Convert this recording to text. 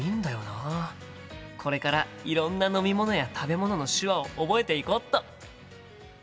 これからいろんな飲み物や食べ物の手話を覚えていこっと！